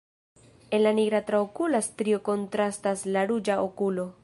En la nigra traokula strio kontrastas la ruĝa okulo.